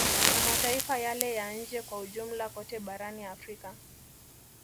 Na mataifa yale ya nje kwa ujumla kote barani Afrika